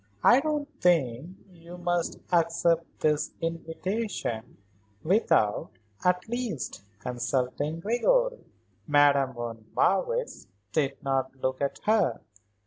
"I don't think that you must accept this invitation without, at least, consulting Gregory." Madame von Marwitz did not look at her.